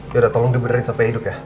yaudah tolong dibenerin sampai hidup ya